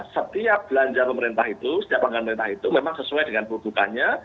setiap belanja pemerintah itu setiap anggaran pemerintah itu memang sesuai dengan produkannya